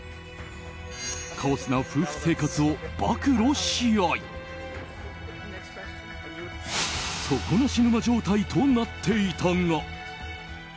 カオスな夫婦生活を暴露し合い底なし沼状態となっていたが。